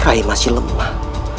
rai masih lemah